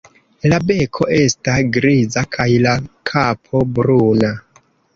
La beko esta griza kaj la kapo bruna.